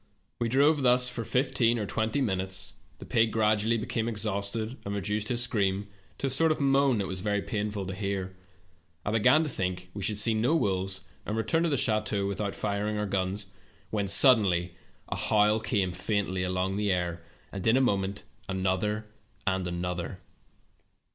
"We drove thus for fifteen or twenty minutes. The pig gradually became exhausted, and reduced his scream to a sort of moan that was very pain ful to hear. I began to think we should see no wolves, and return to the chateau without firing our guns, when suddenly a howl came faintly along the air, and in a moment, another and another.